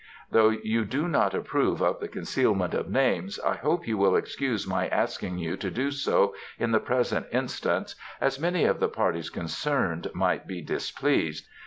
Though you do not approve of the concealment of names, I hope you will excuse my asking you to do so in the present instance as many of the parties concerned might be displeased.